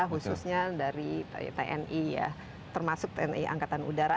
khususnya dari tni ya termasuk tni angkatan udara